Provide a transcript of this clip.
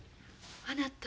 あなた。